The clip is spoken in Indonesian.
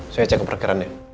saya cek ke perkembangannya